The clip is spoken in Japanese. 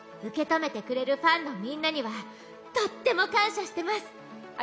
受け止めてくれるファンのみんなにはとっても感謝しています！